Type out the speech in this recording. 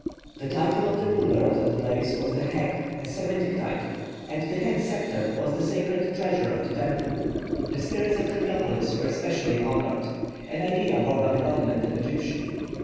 The title of the ruler of that place was the heq, a Semitic title; and the heq sceptre was the sacred treasure of the temple. The 'spirits of Heliopolis' were specially honoured, an idea more Babylonian than Egyptian.